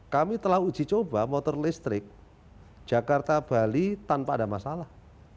kami telah uji coba motor listrik jakarta bali tanpa ada masalah